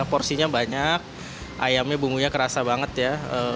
porsinya banyak ayamnya bumbunya kerasa banget ya